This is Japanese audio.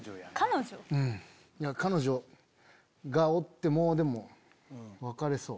彼女がおってもうでも別れそう。